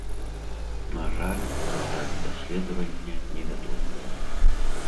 На жаль, дэталі даследавання невядомыя.